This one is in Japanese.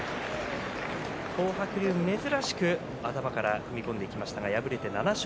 東白龍、珍しく頭から踏み込んでいきましたが敗れて。